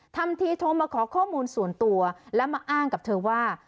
ทำทีโทรมาขอข้อมูลส่วนตัวและมาอ้างกับเธอว่า